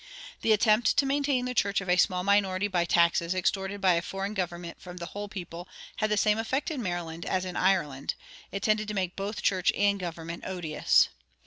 The attempt to maintain the church of a small minority by taxes extorted by a foreign government from the whole people had the same effect in Maryland as in Ireland: it tended to make both church and government odious.